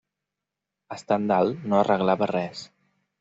Estant dalt no arreglava res.